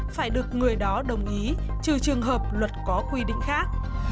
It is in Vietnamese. phải được người đó đồng ý trừ trường hợp luật có quy định khác